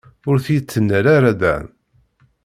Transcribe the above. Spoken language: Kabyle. Ur t-yettnal ara Dan.